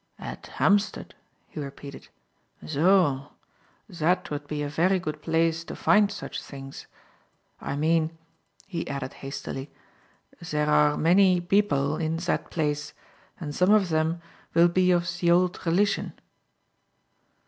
"At Hampstead!" he repeated. "Zo! Zat would be a very good blace to find such sings. I mean," he added, hastily, "zere are many beople in zat blace and some of zem will be of ze old religion."